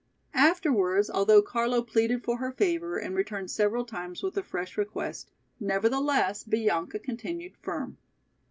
Afterwards, although Carlo pleaded for her favor and returned several times with a fresh request, nevertheless Bianca continued firm.